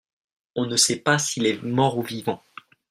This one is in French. on ne sait pas s'il est mort ou vivant.